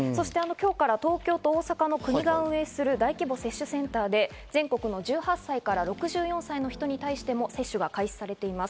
今日から東京と大阪の国が運営する大規模接種センターで全国の１８歳から６４歳の人に対しても接種が開始されています。